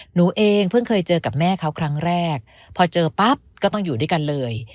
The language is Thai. หนูเองเพิ่งเคยเจอกับแม่เขาครั้งแรกพอเจอปั๊บก็ต้องอยู่ด้วยกันเลย